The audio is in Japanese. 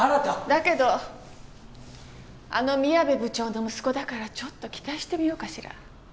だけどあの宮部部長の息子だからちょっと期待してみようかしら。